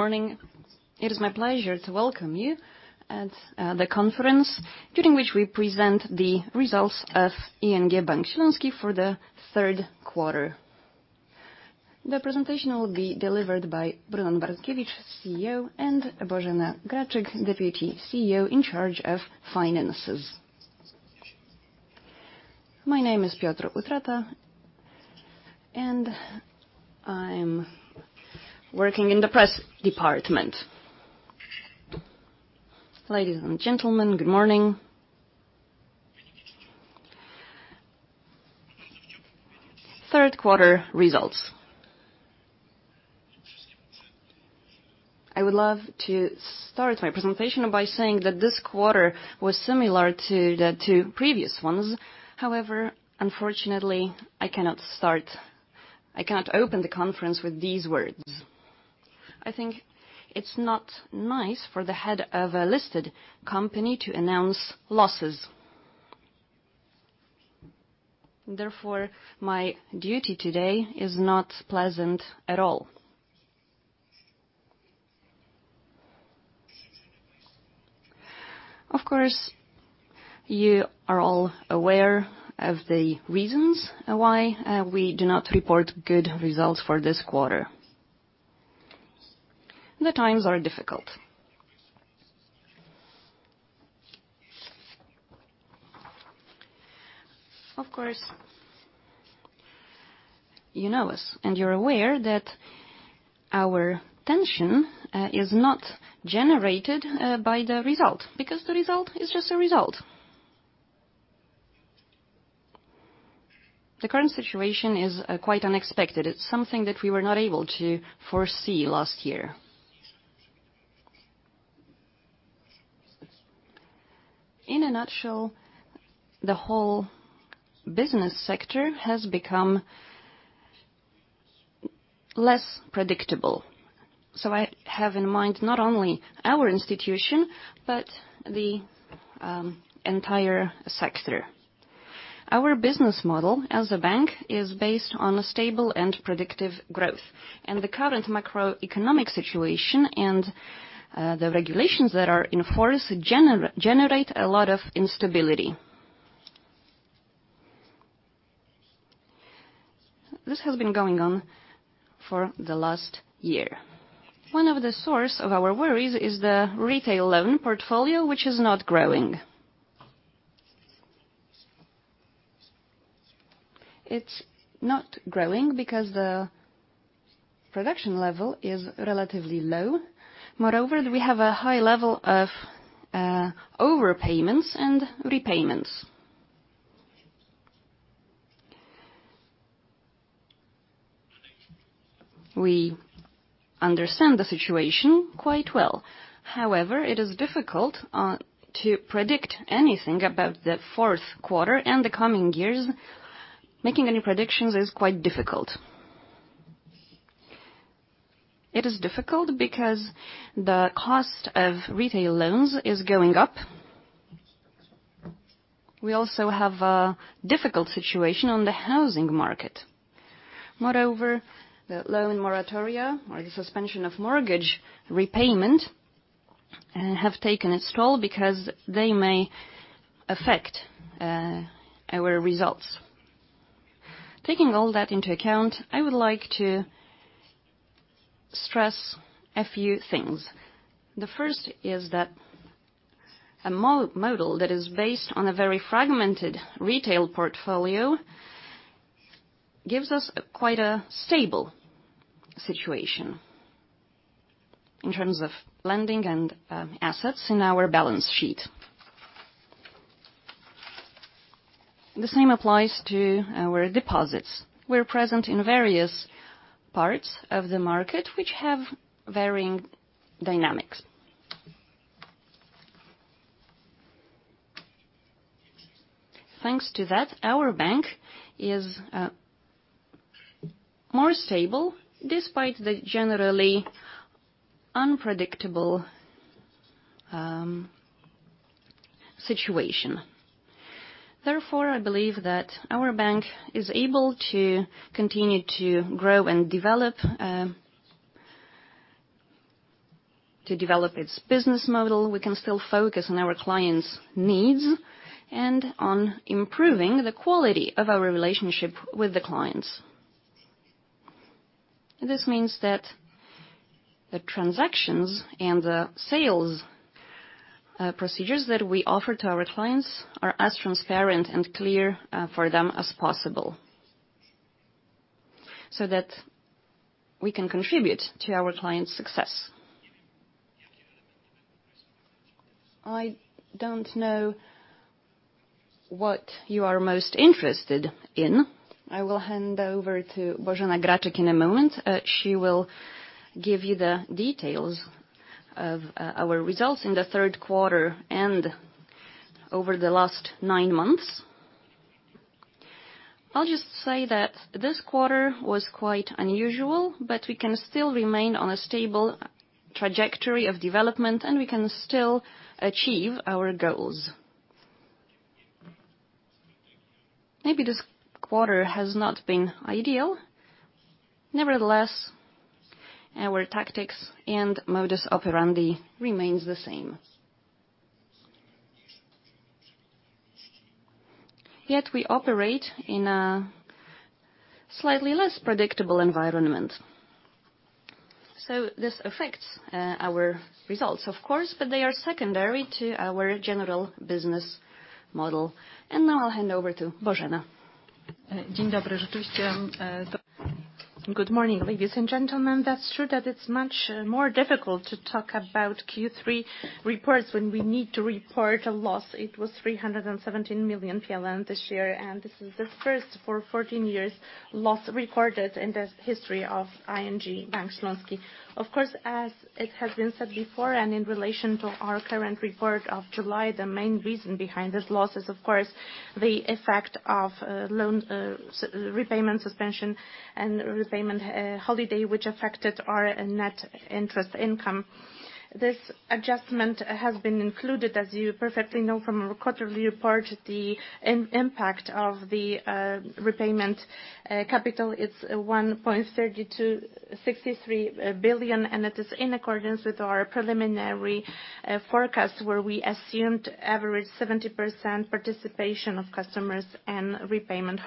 Morning. It is my pleasure to welcome you at the conference, during which we present the results of ING Bank Śląski for the third quarter. The presentation will be delivered by Brunon Bartkiewicz, CEO, and Bożena Graczyk, Deputy CEO in charge of finances. My name is Piotr Utrata, and I'm working in the press department. Ladies and gentlemen, good morning. Third quarter results. I would love to start my presentation by saying that this quarter was similar to the two previous ones. However, unfortunately, I cannot start. I cannot open the conference with these words. I think it's not nice for the head of a listed company to announce losses. Therefore, my duty today is not pleasant at all. Of course, you are all aware of the reasons why we do not report good results for this quarter. The times are difficult. Of course, you know us, and you're aware that our tension is not generated by the result, because the result is just a result. The current situation is quite unexpected. It's something that we were not able to foresee last year. In a nutshell, the whole business sector has become less predictable. I have in mind not only our institution, but the entire sector. Our business model as a bank is based on a stable and predictive growth. The current macroeconomic situation and the regulations that are in force generate a lot of instability. This has been going on for the last year. One of the source of our worries is the retail loan portfolio, which is not growing. It's not growing because the production level is relatively low. Moreover, we have a high level of overpayments and repayments. We understand the situation quite well. However, it is difficult to predict anything about the fourth quarter and the coming years. Making any predictions is quite difficult. It is difficult because the cost of retail loans is going up. We also have a difficult situation on the housing market. Moreover, the loan moratoria or the suspension of mortgage repayment have taken its toll because they may affect our results. Taking all that into account, I would like to stress a few things. The first is that a model that is based on a very fragmented retail portfolio gives us quite a stable situation in terms of lending and assets in our balance sheet. The same applies to our deposits. We're present in various parts of the market which have varying dynamics. Thanks to that, our bank is more stable despite the generally unpredictable situation. Therefore, I believe that our bank is able to continue to grow and develop its business model. We can still focus on our clients' needs and on improving the quality of our relationship with the clients. This means that the transactions and the sales procedures that we offer to our clients are as transparent and clear for them as possible so that we can contribute to our clients' success. I don't know what you are most interested in. I will hand over to Bożena Graczyk in a moment. She will give you the details of our results in the third quarter and over the last nine months. I'll just say that this quarter was quite unusual, but we can still remain on a stable trajectory of development, and we can still achieve our goals. Maybe this quarter has not been ideal. Nevertheless, our tactics and modus operandi remains the same. Yet we operate in a slightly less predictable environment. This affects our results, of course, but they are secondary to our general business model. Now I'll hand over to Bożena. Good morning, ladies and gentlemen. That's true that it's much more difficult to talk about Q3 reports when we need to report a loss. It was 317 million PLN this year, and this is the first for 14 years loss recorded in the history of ING Bank Śląski. Of course, as it has been said before, and in relation to our current report of July, the main reason behind this loss is, of course, the effect of loan repayment suspension and repayment holiday, which affected our net interest income. This adjustment has been included, as you perfectly know from our quarterly report. The impact of the repayment holiday is 1.3263 billion, and it is in accordance with our preliminary forecast, where we assumed average 70% participation of customers and repayment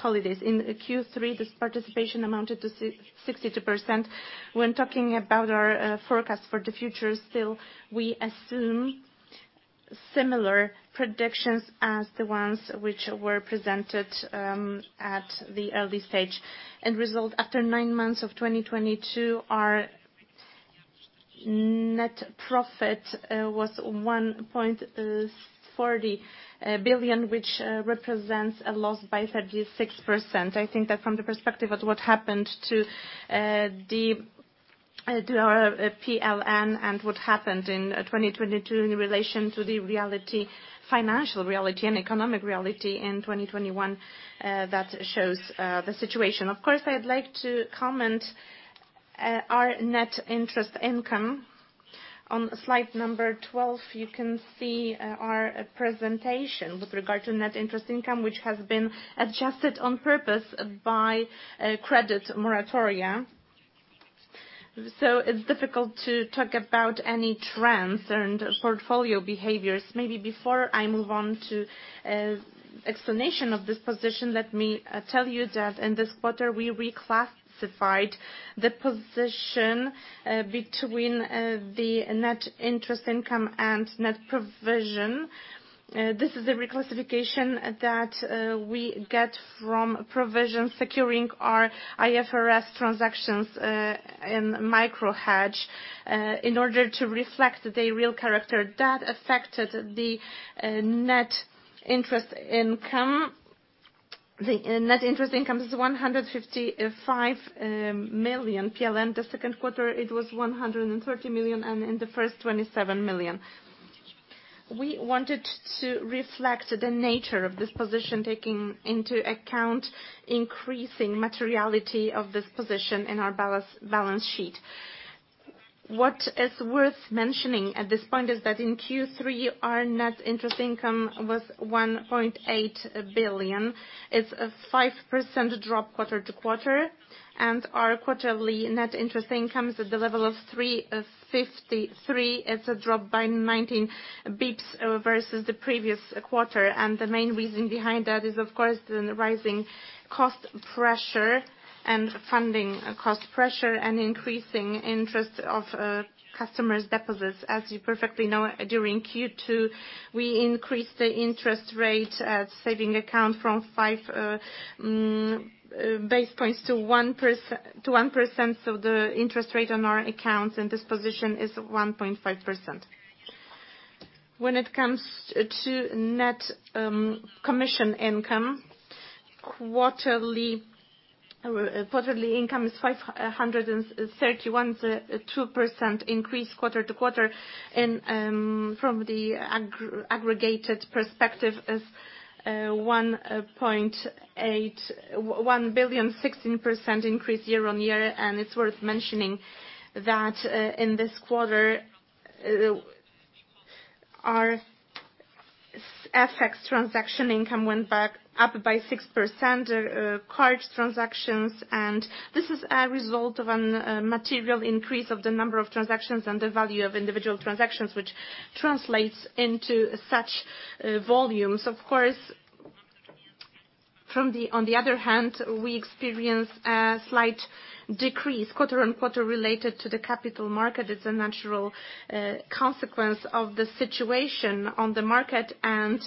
holidays. In Q3, this participation amounted to 62%. When talking about our forecast for the future, still, we assume similar predictions as the ones which were presented at the early stage. End result, after nine months of 2022, our net profit was 1.40 billion, which represents a loss by 36%. I think that from the perspective of what happened to our PLN and what happened in 2022 in relation to the reality, financial reality and economic reality in 2021, that shows the situation. Of course, I'd like to comment our net interest income. On slide number 12, you can see our presentation with regard to net interest income, which has been adjusted on purpose by credit moratoria. It's difficult to talk about any trends and portfolio behaviors. Maybe before I move on to explanation of this position, let me tell you that in this quarter we reclassified the position between the net interest income and net provision. This is a reclassification that we get from provision securing our IFRS transactions in micro-hedge in order to reflect the real character that affected the net interest income. The net interest income is 155 million PLN. The second quarter, it was 130 million, and in the first, 27 million. We wanted to reflect the nature of this position, taking into account increasing materiality of this position in our balance sheet. What is worth mentioning at this point is that in Q3, our net interest income was 1.8 billion. It's a 5% drop quarter-to-quarter, and our quarterly net interest income is at the level of 353. It's a drop by 19 basis points versus the previous quarter. The main reason behind that is, of course, the rising cost pressure and funding cost pressure and increasing interest of customers' deposits. As you perfectly know, during Q2, we increased the interest rate savings account from 5 basis points to 1%. The interest rate on our accounts in this position is 1.5%. When it comes to net commission income, quarterly income is 531. 2% increase quarter-to-quarter. From the aggregated perspective is 1 billion, 16% increase year-on-year. It's worth mentioning that, in this quarter, our FX transaction income went back up by 6%, card transactions. This is a result of a material increase of the number of transactions and the value of individual transactions, which translates into such volumes. Of course, on the other hand, we experienced a slight decrease quarter-on-quarter related to the capital market. It's a natural consequence of the situation on the market and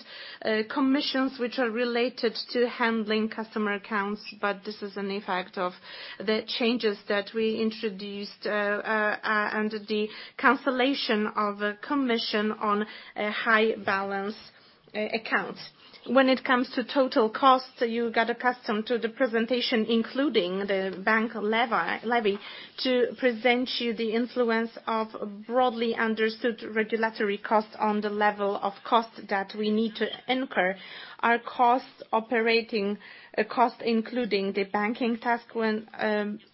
commissions which are related to handling customer accounts. This is an effect of the changes that we introduced under the cancellation of a commission on a high balance account. When it comes to total costs, you got accustomed to the presentation, including the bank levy, to present you the influence of broadly understood regulatory costs on the level of costs that we need to incur. Our operating costs including the banking tax went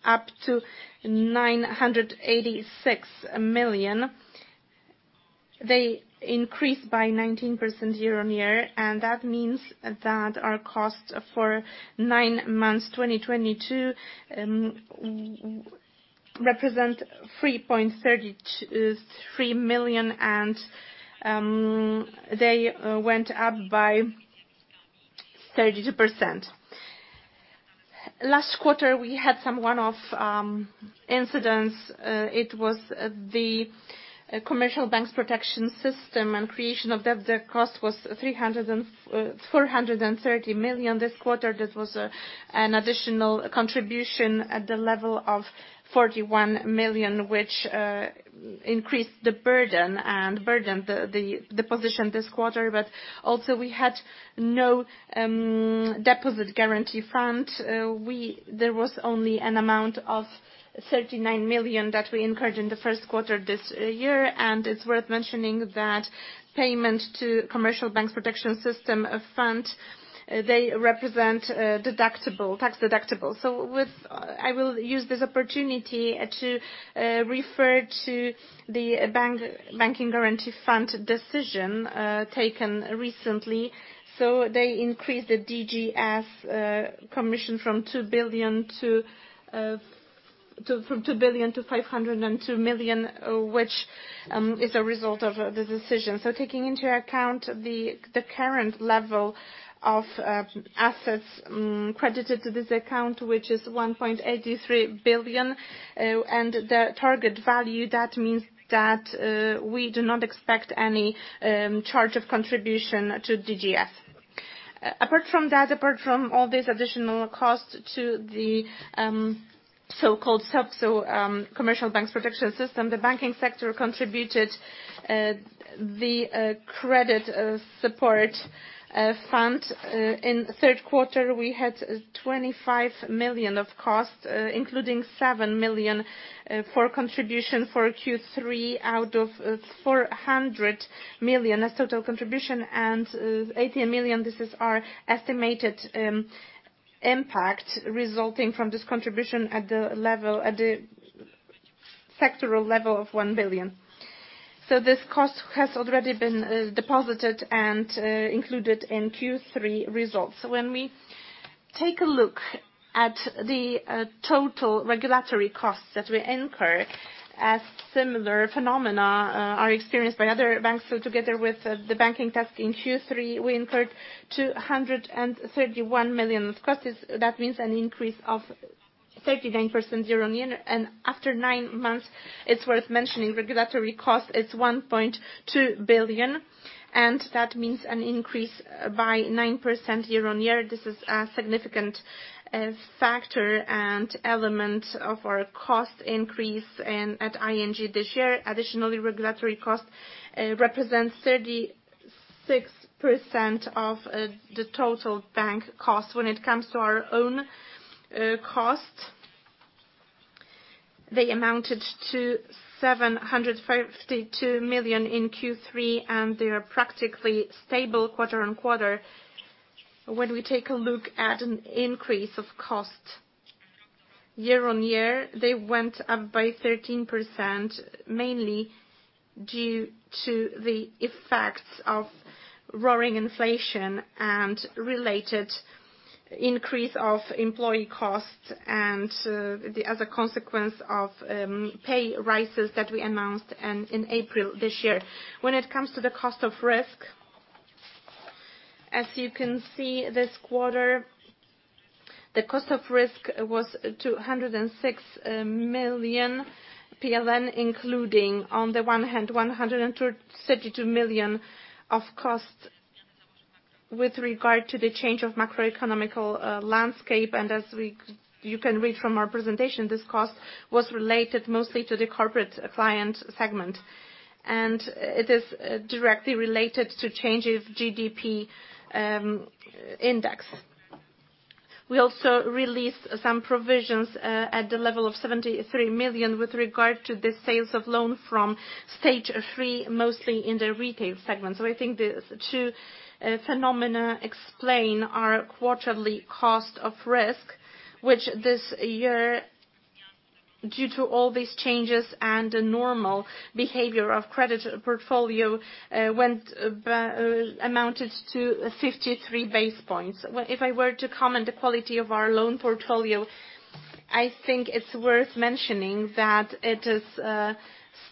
up to 986 million. They increased by 19% year-on-year, and that means that our costs for nine months 2022 represent 3.323 billion, and they went up by 32%. Last quarter, we had some one-off incidents. It was the Commercial Banks Protection System and creation of that. The cost was 430 million. This quarter, this was an additional contribution at the level of 41 million, which increased the burden, and burdened the position this quarter. We had no Deposit Guarantee Fund. There was only an amount of 39 million that we incurred in the first quarter this year. It's worth mentioning that payment to Commercial Banks Protection System fund, they represent tax deductible. I will use this opportunity to refer to the Bank Guarantee Fund decision taken recently. They increased the DGF commission from 2 billion to 502 million, which is a result of the decision. Taking into account the current level of assets credited to this account, which is 1.83 billion, and the target value, that means that we do not expect any charge of contribution to DGF. Apart from that, apart from all these additional costs to the so-called Commercial Banks Protection System, the banking sector contributed the credit support fund. In third quarter, we had 25 million of cost, including 7 million for contribution for Q3 out of 400 million as total contribution. 80 million, this is our estimated impact resulting from this contribution at the sectoral level of 1 billion. This cost has already been deposited and included in Q3 results. When we take a look at the total regulatory costs that we incur as similar phenomena are experienced by other banks, together with the banking tax in Q3, we incurred 231 million of costs. That means an increase of 39% year-on-year. After nine months, it's worth mentioning regulatory cost is 1.2 billion, and that means an increase by 9% year-on-year. This is a significant factor and element of our cost increase at ING this year. Additionally, regulatory cost represents 36% of the total bank cost. When it comes to our own costs, they amounted to 752 million in Q3, and they are practically stable quarter-on-quarter. When we take a look at an increase of cost year-on-year, they went up by 13% mainly due to the effects of soaring inflation and related increase of employee costs and, as a consequence of, pay raises that we announced in April this year. When it comes to the cost of risk, as you can see this quarter, the cost of risk was 206 million PLN, including, on the one hand, 132 million of cost with regard to the change of macroeconomic landscape. You can read from our presentation, this cost was related mostly to the corporate client segment. It is directly related to change of GDP index. We also released some provisions at the level of 73 million with regard to the sales of loan from stage three, mostly in the retail segment. I think the two phenomena explain our quarterly cost of risk, which this year, due to all these changes and the normal behavior of credit portfolio, amounted to 53 basis points. Well, if I were to comment the quality of our loan portfolio, I think it's worth mentioning that it is stable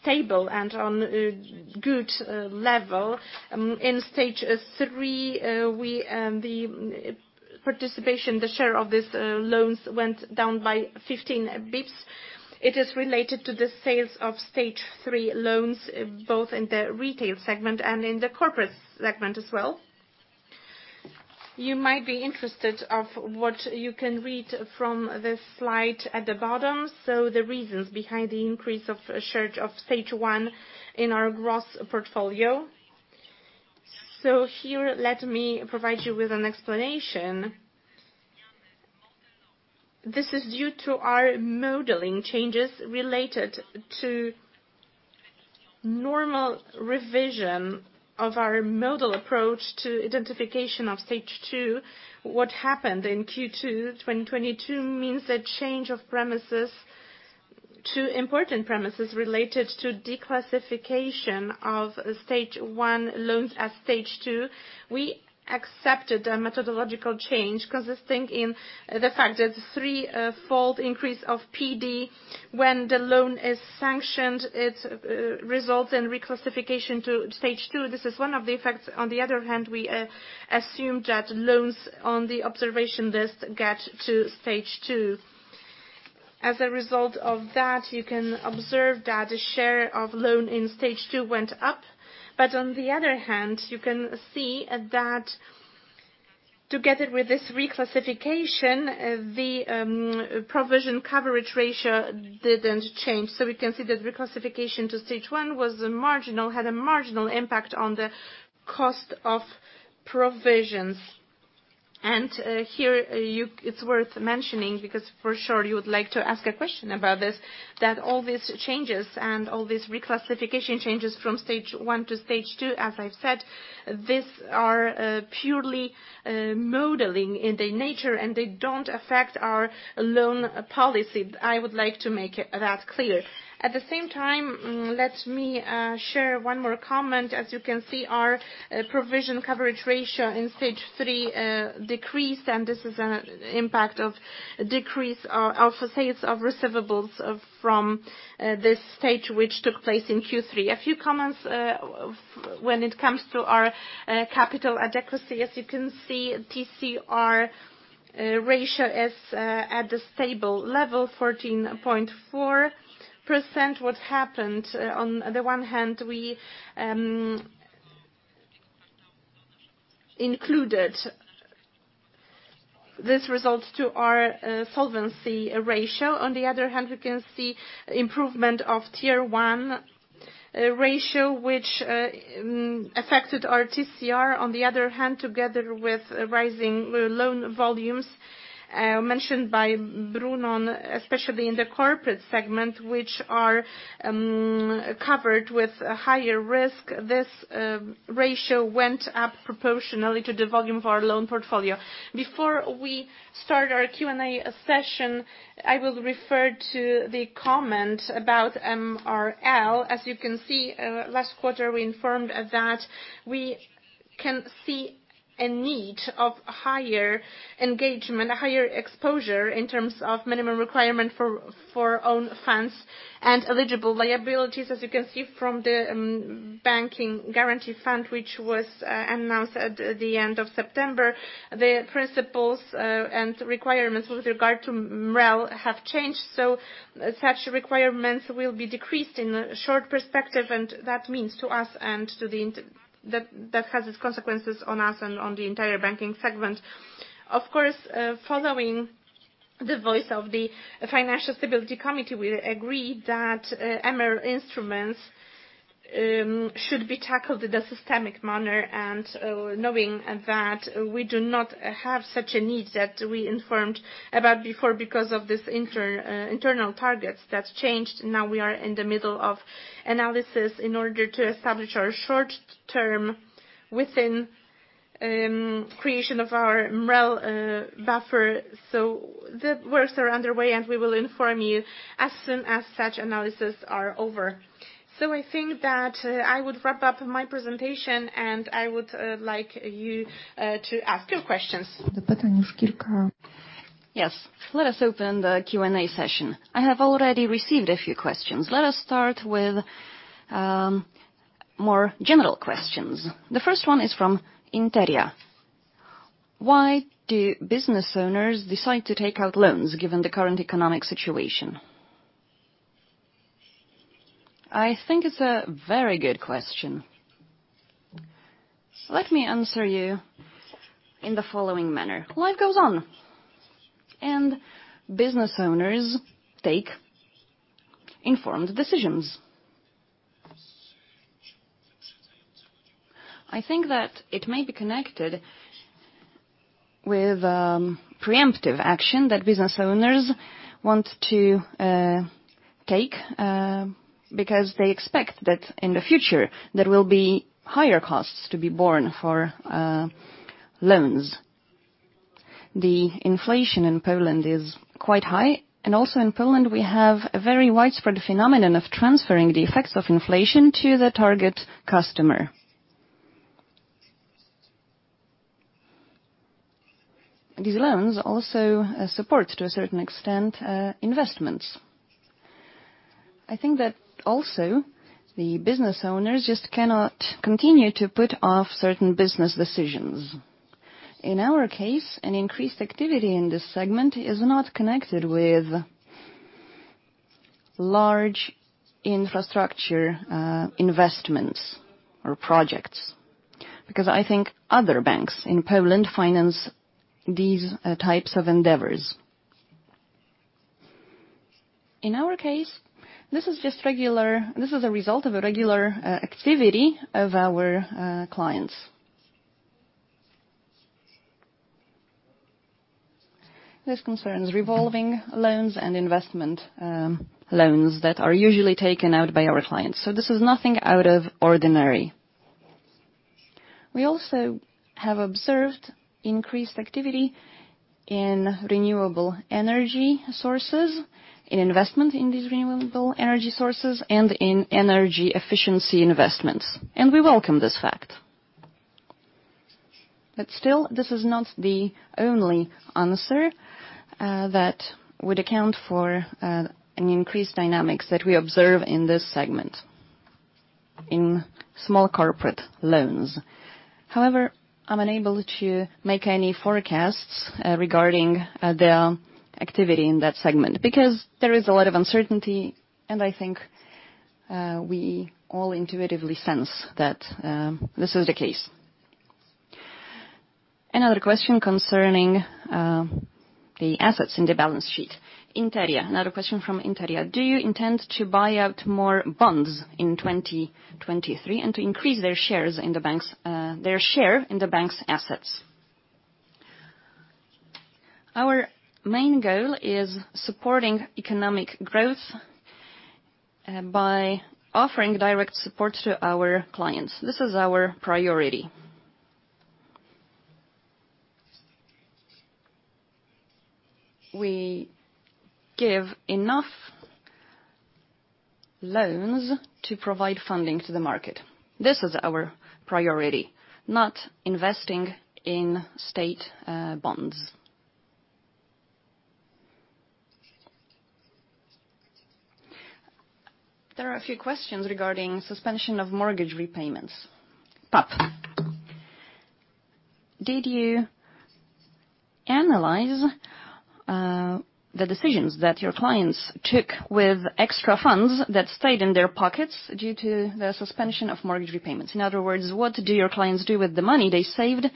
and on a good level. In stage three, we the participation, the share of this loans went down by 15 basis points. It is related to the sales of stage three loans, both in the retail segment and in the corporate segment as well. You might be interested of what you can read from this slide at the bottom, so the reasons behind the increase of a share of stage one in our gross portfolio. Here, let me provide you with an explanation. This is due to our modeling changes related to normal revision of our model approach to identification of stage two. What happened in Q2 2022 means a change of premises. Two important premises related to reclassification of stage one loans as stage two. We accepted a methodological change consisting in the fact that threefold increase of PD when the loan is sanctioned, it results in reclassification to stage two. This is one of the effects. On the other hand, we assumed that loans on the observation list get to stage two. As a result of that, you can observe that the share of loans in stage two went up, but on the other hand, you can see that together with this reclassification, the provision coverage ratio didn't change. We can see that reclassification to stage one was marginal, had a marginal impact on the cost of provisions. Here you... It's worth mentioning, because for sure you would like to ask a question about this, that all these changes and all these reclassification changes from stage one to stage two, as I've said, these are purely modeling in their nature, and they don't affect our loan policy. I would like to make that clear. At the same time, let me share one more comment. As you can see, our provision coverage ratio in stage three decreased, and this is an impact of decrease of sales of receivables from this stage, which took place in Q3. A few comments when it comes to our capital adequacy. As you can see, TCR ratio is at a stable level, 14.4%. What happened? On the one hand, we included these results to our solvency ratio. On the other hand, we can see improvement of tier one ratio, which affected our TCR. On the other hand, together with rising loan volumes mentioned by Brunon, especially in the corporate segment, which are covered with higher risk, this ratio went up proportionally to the volume of our loan portfolio. Before we start our Q&A session, I will refer to the comment about MREL. As you can see, last quarter, we informed that we can see a need of higher engagement, higher exposure in terms of minimum requirement for own funds and eligible liabilities. As you can see from the Bank Guarantee Fund, which was announced at the end of September, the principles and requirements with regard to MREL have changed. Such requirements will be decreased in short perspective, and that means to us and that has its consequences on us and on the entire banking segment. Of course, following the voice of the Financial Stability Committee, we agree that MREL instruments should be tackled in a systemic manner. Knowing that we do not have such a need that we informed about before because of these internal targets that changed. Now we are in the middle of analysis in order to establish our short term within creation of our MREL buffer. The works are underway, and we will inform you as soon as such analysis are over. I think that I would wrap up my presentation, and I would like you to ask your questions. Yes. Let us open the Q&A session. I have already received a few questions. Let us start with more general questions. The first one is from Interia. Why do business owners decide to take out loans given the current economic situation? I think it's a very good question. Let me answer you in the following manner. Life goes on, and business owners take informed decisions. I think that it may be connected with preemptive action that business owners want to take, because they expect that in the future there will be higher costs to be borne for loans. The inflation in Poland is quite high, and also in Poland, we have a very widespread phenomenon of transferring the effects of inflation to the target customer. These loans also support, to a certain extent, investments. I think that also the business owners just cannot continue to put off certain business decisions. In our case, an increased activity in this segment is not connected with large infrastructure investments or projects, because I think other banks in Poland finance these types of endeavors. In our case, this is a result of a regular activity of our clients. This concerns revolving loans and investment loans that are usually taken out by our clients. This is nothing out of ordinary. We also have observed increased activity in renewable energy sources, in investment in these renewable energy sources and in energy efficiency investments, and we welcome this fact. Still, this is not the only answer that would account for an increased dynamics that we observe in this segment in small corporate loans. However, I'm unable to make any forecasts regarding the activity in that segment because there is a lot of uncertainty, and I think we all intuitively sense that this is the case. Another question concerning the assets in the balance sheet. Interia. Another question from Interia. Do you intend to buy out more bonds in 2023 and to increase their share in the bank's assets? Our main goal is supporting economic growth by offering direct support to our clients. This is our priority. We give enough loans to provide funding to the market. This is our priority, not investing in state bonds. There are a few questions regarding suspension of mortgage repayments. PAP. Did you analyze the decisions that your clients took with extra funds that stayed in their pockets due to the suspension of mortgage repayments? In other words, what do your clients do with the money they saved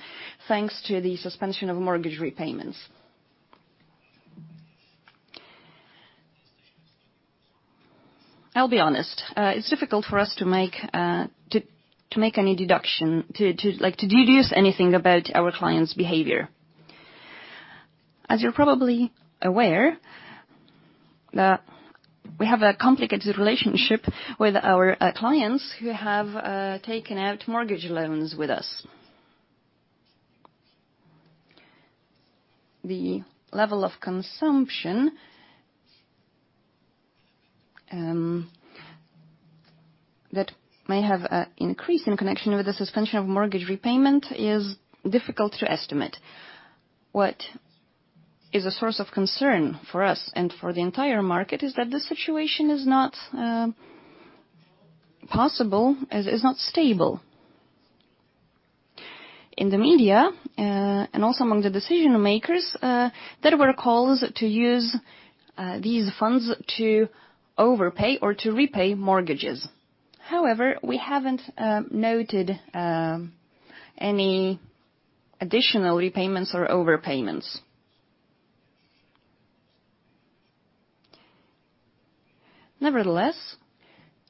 thanks to the suspension of mortgage repayments? I'll be honest. It's difficult for us to make any deduction, like, to deduce anything about our clients' behavior. As you're probably aware that we have a complicated relationship with our clients who have taken out mortgage loans with us. The level of consumption that may have increased in connection with the suspension of mortgage repayment is difficult to estimate. What is a source of concern for us and for the entire market is that this situation is not possible, is not stable. In the media and also among the decision-makers there were calls to use these funds to overpay or to repay mortgages. However, we haven't noted any additional repayments or overpayments. Nevertheless,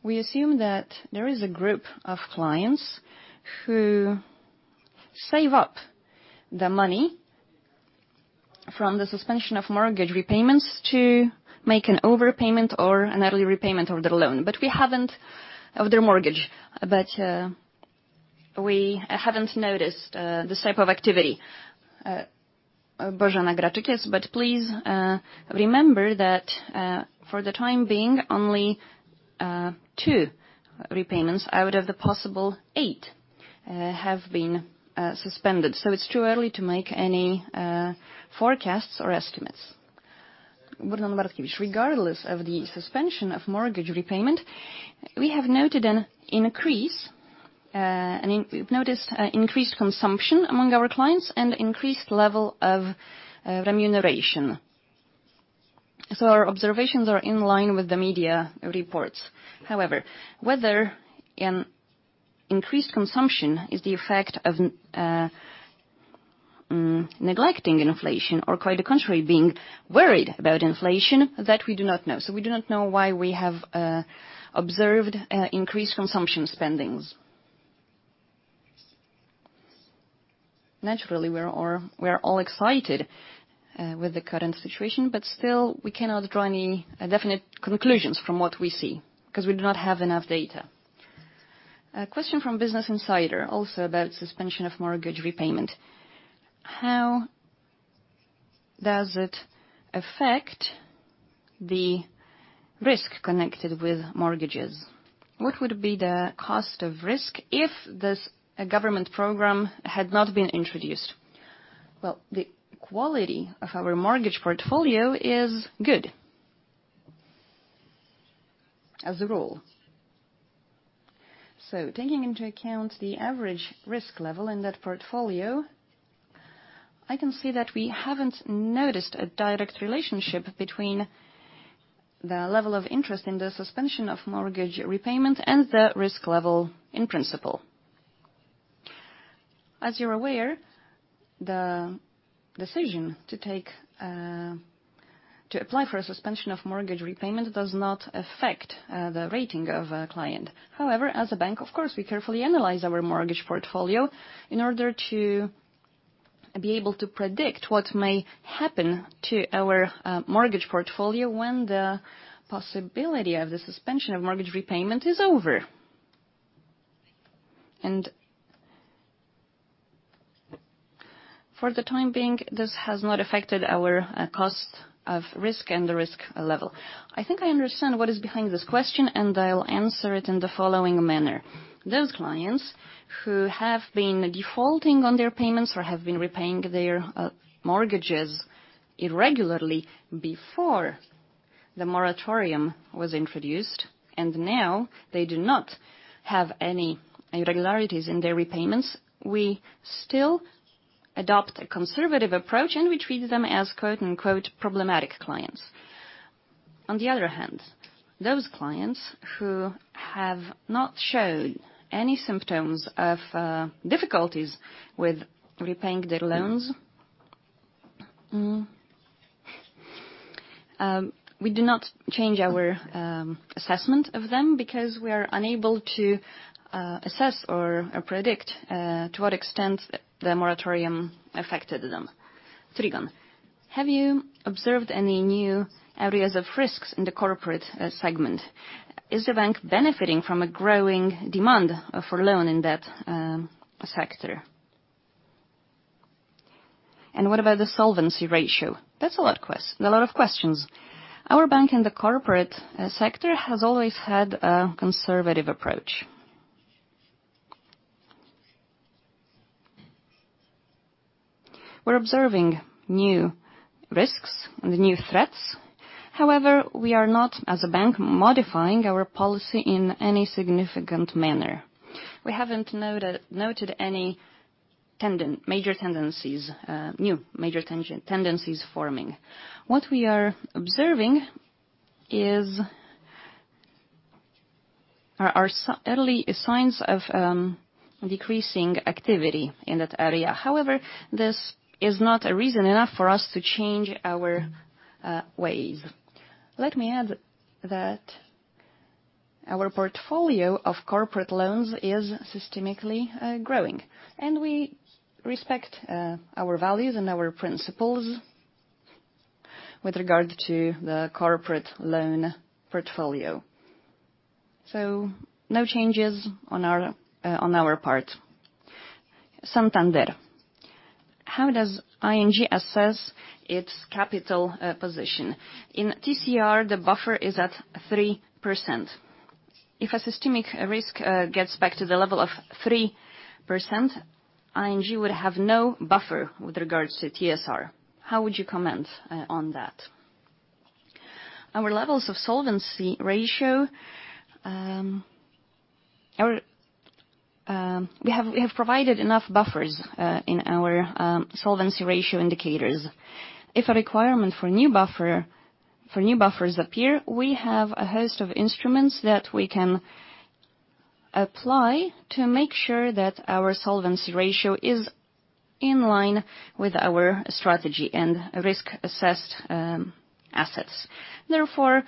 we assume that there is a group of clients who save up the money from the suspension of mortgage repayments to make an overpayment or an early repayment of their mortgage. We haven't noticed this type of activity. Bożena Graczyk. Please remember that for the time being, only two repayments out of the possible eight have been suspended, so it's too early to make any forecasts or estimates. Brunon Bartkiewicz. Regardless of the suspension of mortgage repayment, we have noted an increase, we've noticed increased consumption among our clients and increased level of remuneration. Our observations are in line with the media reports. However, whether an increased consumption is the effect of neglecting inflation or quite the contrary, being worried about inflation, that we do not know. We do not know why we have observed increased consumption spending. Naturally, we're all excited with the current situation, but still, we cannot draw any definite conclusions from what we see because we do not have enough data. A question from Business Insider also about suspension of mortgage repayment. How does it affect the risk connected with mortgages? What would be the cost of risk if this government program had not been introduced? Well, the quality of our mortgage portfolio is good as a rule. Taking into account the average risk level in that portfolio, I can say that we haven't noticed a direct relationship between the level of interest in the suspension of mortgage repayment and the risk level in principle. As you're aware, the decision to apply for a suspension of mortgage repayment does not affect the rating of a client. However, as a bank, of course, we carefully analyze our mortgage portfolio in order to be able to predict what may happen to our mortgage portfolio when the possibility of the suspension of mortgage repayment is over. For the time being, this has not affected our cost of risk and the risk level. I think I understand what is behind this question, and I'll answer it in the following manner. Those clients who have been defaulting on their payments or have been repaying their mortgages irregularly before the moratorium was introduced, and now they do not have any irregularities in their repayments, we still adopt a conservative approach, and we treat them as quote-unquote, "problematic clients." On the other hand, those clients who have not shown any symptoms of difficulties with repaying their loans, we do not change our assessment of them because we are unable to assess or predict to what extent the moratorium affected them. Trigon, have you observed any new areas of risks in the corporate segment? Is the bank benefiting from a growing demand for loans in that sector? And what about the solvency ratio? That's a lot of questions. Our bank in the corporate sector has always had a conservative approach. We're observing new risks and new threats. However, we are not, as a bank, modifying our policy in any significant manner. We haven't noted any major tendencies, new major tendencies forming. What we are observing is our early signs of decreasing activity in that area. However, this is not reason enough for us to change our ways. Let me add that our portfolio of corporate loans is steadily growing, and we respect our values and our principles with regard to the corporate loan portfolio. No changes on our part. Santander, how does ING assess its capital position? In TCR, the buffer is at 3%. If a systemic risk gets back to the level of 3%, ING would have no buffer with regards to TSR. How would you comment on that? Our levels of solvency ratio, we have provided enough buffers in our solvency ratio indicators. If a requirement for new buffer, for new buffers appear, we have a host of instruments that we can apply to make sure that our solvency ratio is in line with our strategy and risk-assessed assets. Therefore,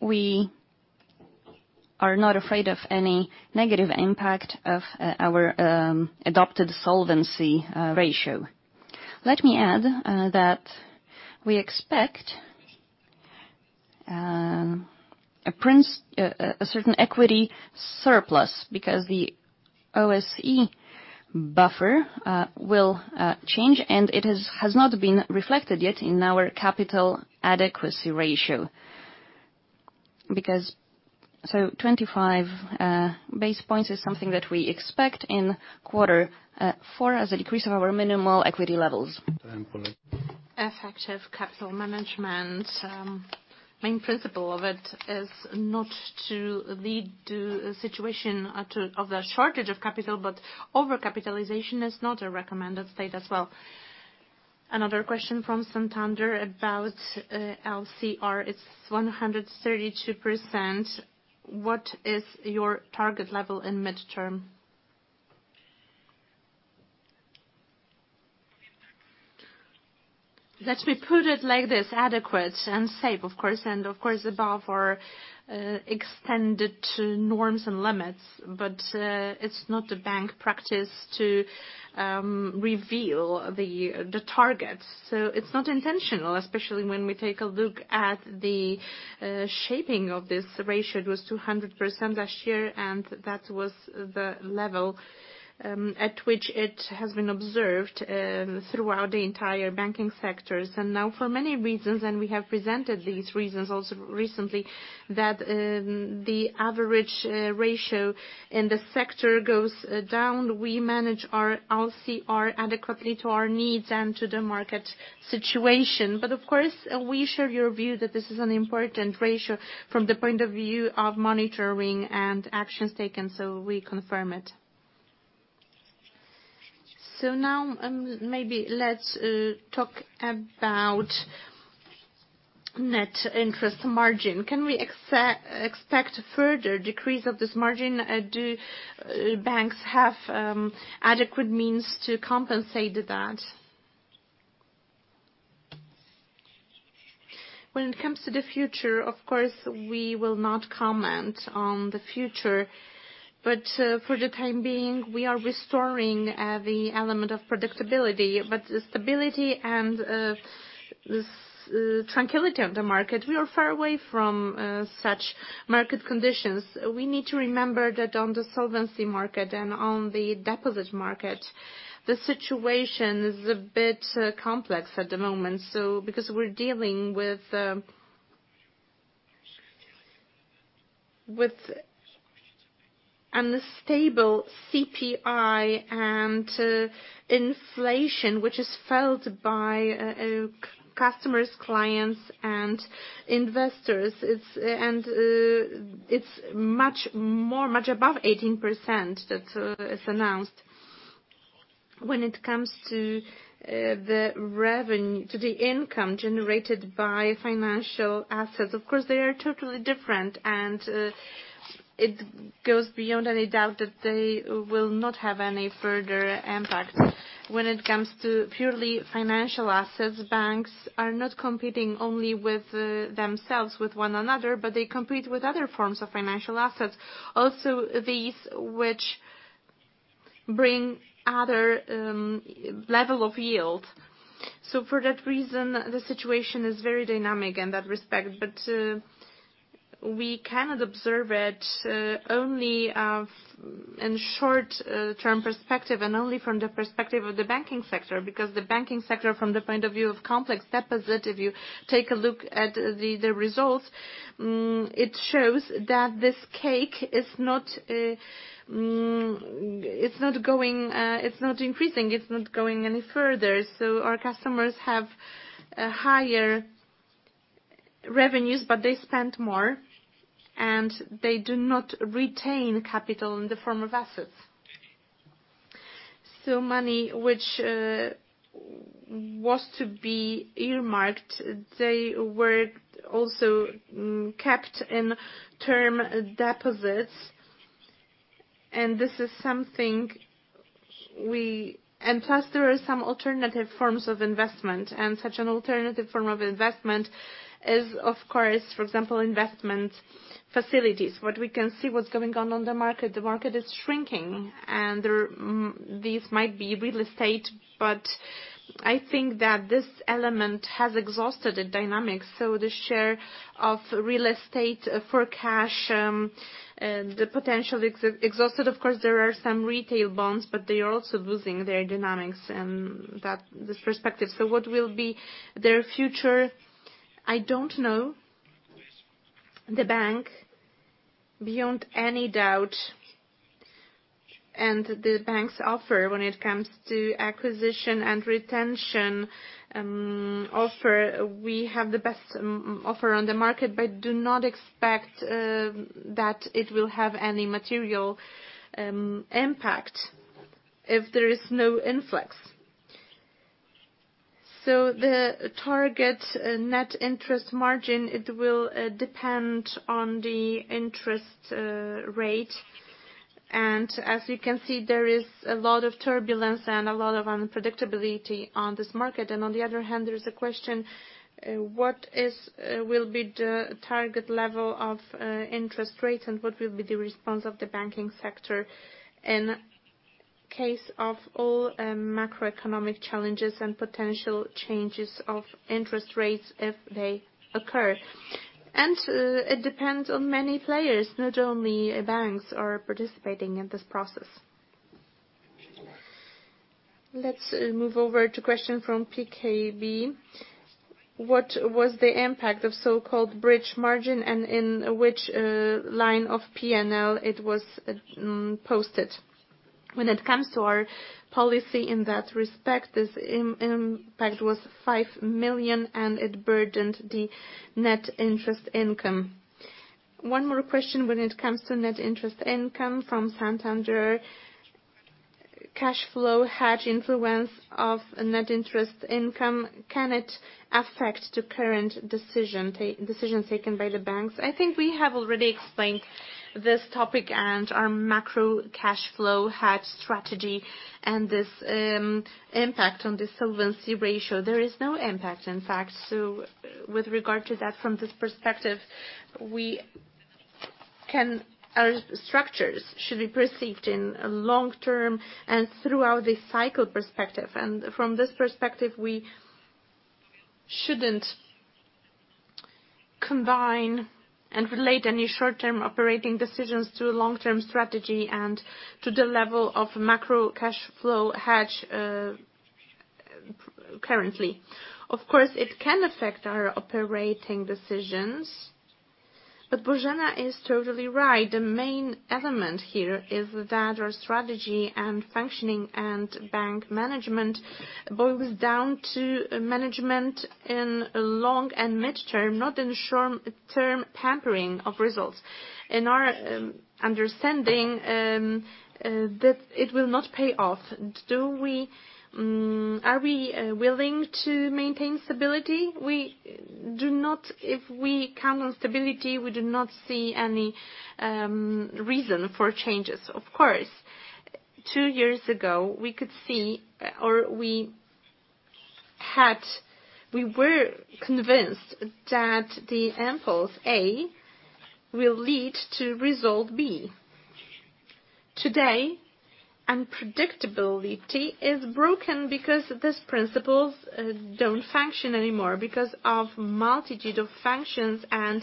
we are not afraid of any negative impact of our adopted solvency ratio. Let me add that we expect a certain equity surplus because the O-SII buffer will change, and it has not been reflected yet in our capital adequacy ratio because. 25 basis points is something that we expect in quarter four as a decrease of our minimal equity levels. Time, please. Effective capital management, main principle of it is not to lead to a situation of the shortage of capital, but overcapitalization is not a recommended state as well. Another question from Santander about LCR. It's 132%. What is your target level in midterm? Let me put it like this, adequate and safe, of course, and of course above our extended norms and limits, but it's not a bank practice to reveal the targets. It's not intentional, especially when we take a look at the shaping of this ratio. It was 200% last year, and that was the level at which it has been observed throughout the entire banking sectors. Now for many reasons, and we have presented these reasons also recently, that the average ratio in the sector goes down. We manage our LCR adequately to our needs and to the market situation. Of course, we share your view that this is an important ratio from the point of view of monitoring and actions taken, so we confirm it. Maybe let's talk about net interest margin. Can we expect further decrease of this margin? Do banks have adequate means to compensate that? When it comes to the future, of course, we will not comment on the future. For the time being, we are restoring the element of predictability. The stability and the tranquility of the market, we are far away from such market conditions. We need to remember that on the solvency market and on the deposit market, the situation is a bit complex at the moment. Because we're dealing with with an unstable CPI and inflation, which is felt by customers, clients, and investors. It's much more, much above 18% that is announced. When it comes to the income generated by financial assets, of course, they are totally different. It goes beyond any doubt that they will not have any further impact. When it comes to purely financial assets, banks are not competing only with themselves, with one another, but they compete with other forms of financial assets, also these which bring other level of yield. For that reason, the situation is very dynamic in that respect. We cannot observe it only in short-term perspective and only from the perspective of the banking sector, because the banking sector from the point of view of complex deposit, if you take a look at the results, it shows that this cake is not, it's not going, it's not increasing, it's not going any further. Our customers have higher revenues, but they spend more, and they do not retain capital in the form of assets. Money which was to be earmarked, they were also kept in term deposits. This is something. Plus, there are some alternative forms of investment, and such an alternative form of investment is, of course, for example, investment facilities. What we can see, what's going on on the market, the market is shrinking, and there these might be real estate, but I think that this element has exhausted the dynamics. The share of real estate for cash, the potential exhausted. Of course, there are some retail bonds, but they are also losing their dynamics in this perspective. What will be their future? I don't know. The bank, beyond any doubt, and the bank's offer when it comes to acquisition and retention offer, we have the best offer on the market, but do not expect that it will have any material impact if there is no influx. The target net interest margin, it will depend on the interest rate. As you can see, there is a lot of turbulence and a lot of unpredictability on this market. On the other hand, there is a question, what will be the target level of interest rates and what will be the response of the banking sector in case of all macroeconomic challenges and potential changes of interest rates if they occur? It depends on many players. Not only banks are participating in this process. Let's move over to question from PKB. What was the impact of so-called bridge margin and in which line of P&L it was posted? When it comes to our policy in that respect, this impact was 5 million, and it burdened the net interest income. One more question when it comes to net interest income from Santander Bank Polska. Cash flow hedge had influence on net interest income, can it affect the current decision taken by the banks? I think we have already explained this topic and our macro cash flow hedge strategy and this impact on the solvency ratio. There is no impact, in fact. With regard to that, from this perspective, our structures should be perceived in a long-term and throughout the cycle perspective. From this perspective, we shouldn't combine and relate any short-term operating decisions to a long-term strategy and to the level of macro cash flow hedge, currently. Of course, it can affect our operating decisions, but Bożena is totally right. The main element here is that our strategy and functioning and bank management boils down to management in long and mid-term, not in short-term tampering of results. In our understanding, that it will not pay off. Are we willing to maintain stability? We do not. If we count on stability, we do not see any reason for changes. Of course. Two years ago, we could see, or we were convinced that the impulse A will lead to result B. Today, predictability is broken because these principles don't function anymore because of multitude of factors and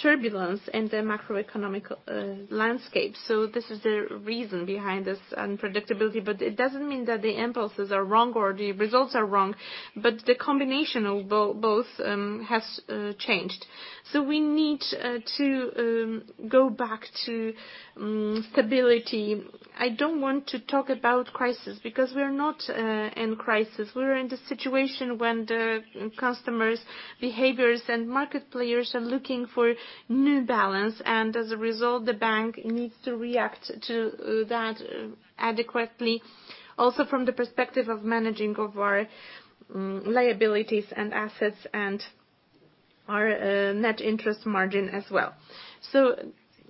turbulence in the macroeconomic landscape. This is the reason behind this unpredictability, but it doesn't mean that the impulses are wrong or the results are wrong, but the combination of both has changed. We need to go back to stability. I don't want to talk about crisis because we're not in crisis. We're in the situation when the customers' behaviors and market players are looking for new balance and as a result, the bank needs to react to that adequately also from the perspective of managing of our liabilities and assets and our net interest margin as well.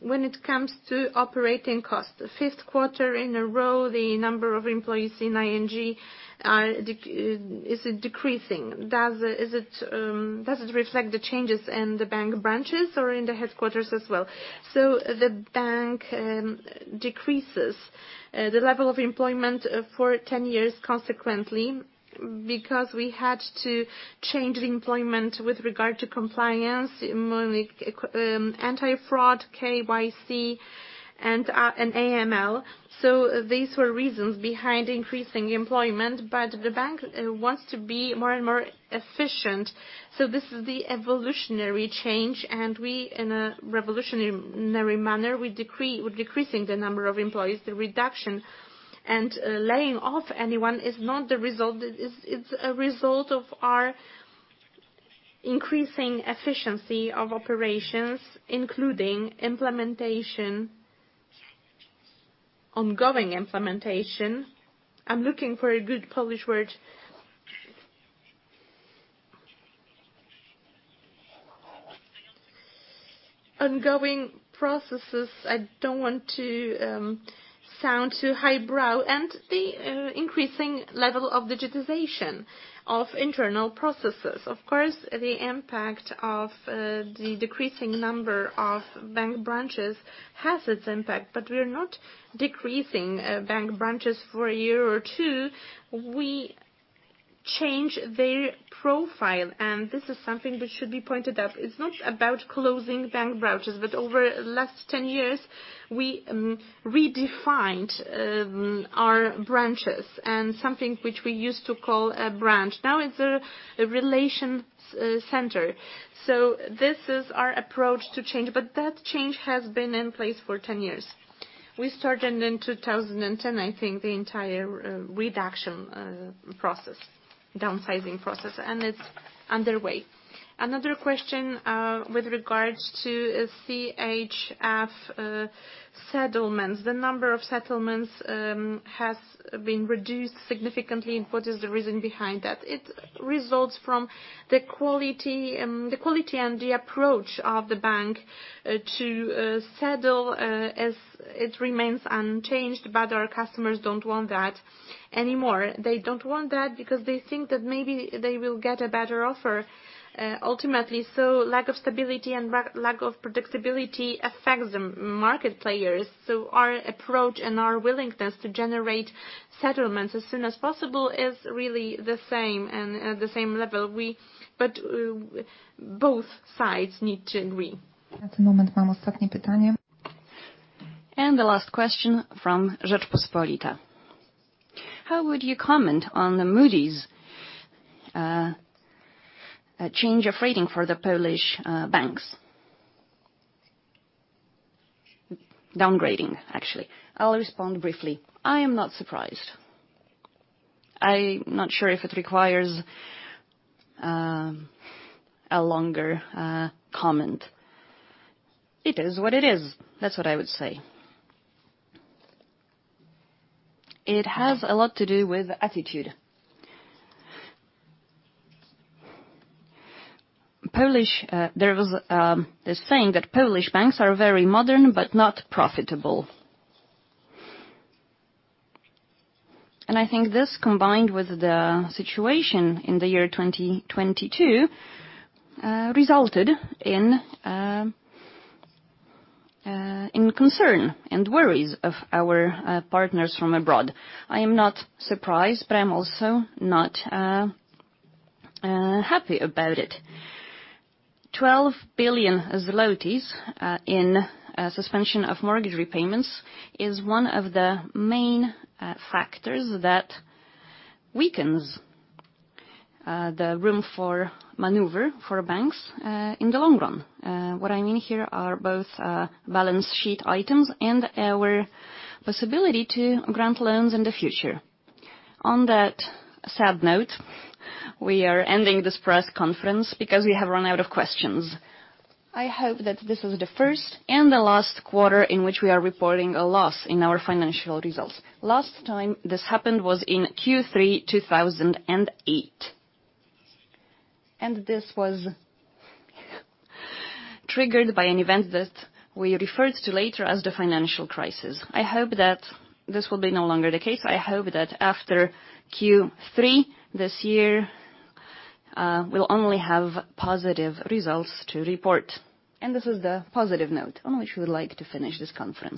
When it comes to operating costs, the fifth quarter in a row, the number of employees in ING is decreasing. Does it reflect the changes in the bank branches or in the headquarters as well? The bank decreases the level of employment for 10 years consequently because we had to change the employment with regard to compliance, mainly anti-fraud, KYC and AML. These were reasons behind increasing employment, but the bank wants to be more and more efficient. This is the evolutionary change, and we in a revolutionary manner, we're decreasing the number of employees. The reduction and laying off anyone is not the result. It's a result of our increasing efficiency of operations, including implementation, ongoing implementation. I'm looking for a good Polish word. Ongoing processes. I don't want to sound too highbrow. The increasing level of digitization of internal processes. Of course, the impact of the decreasing number of bank branches has its impact, but we're not decreasing bank branches for a year or two. We change their profile, and this is something which should be pointed out. It's not about closing bank branches, but over the last 10 years, we redefined our branches and something which we used to call a branch. Now it's a relations center. This is our approach to change. That change has been in place for 10 years. We started in 2010, I think, the entire reduction process, downsizing process, and it's underway. Another question with regards to CHF settlements. The number of settlements has been reduced significantly, and what is the reason behind that? It results from the quality and the approach of the bank to settle as it remains unchanged, but our customers don't want that anymore. They don't want that because they think that maybe they will get a better offer ultimately. Lack of stability and lack of predictability affects the market players. Our approach and our willingness to generate settlements as soon as possible is really the same and at the same level. Both sides need to agree. The last question from. [inaudible] How would you comment on the Moody's change of rating for the Polish banks? Downgrading, actually. I'll respond briefly. I am not surprised. I'm not sure if it requires a longer comment. It is what it is. That's what I would say. It has a lot to do with attitude. Polish, there was this saying that Polish banks are very modern but not profitable. I think this, combined with the situation in the year 2022, resulted in concern and worries of our partners from abroad. I am not surprised, but I'm also not happy about it. 12 billion zlotys in suspension of mortgage repayments is one of the main factors that weakens the room for maneuver for banks in the long run. What I mean here are both balance sheet items and our possibility to grant loans in the future. On that sad note, we are ending this press conference because we have run out of questions. I hope that this is the first and the last quarter in which we are reporting a loss in our financial results. Last time this happened was in Q3 2008. This was triggered by an event that we referred to later as the financial crisis. I hope that this will be no longer the case. I hope that after Q3 this year, we'll only have positive results to report. This is the positive note on which we would like to finish this conference.